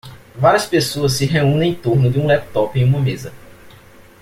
Várias pessoas se reúnem em torno de um laptop em uma mesa.